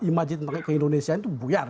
imajin keindonesiaan itu buyar